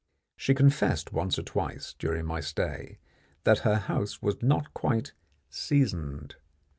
She confessed once or twice during my stay that her house was not quite "seasoned."